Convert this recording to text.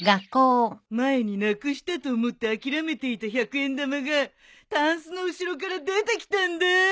前になくしたと思って諦めていた百円玉がたんすの後ろから出てきたんだぁ。